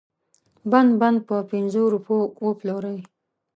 بند بند په پنځو روپو وپلوري.